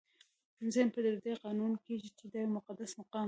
ذهن پر دې قانع کېږي چې دا یو مقدس مقام دی.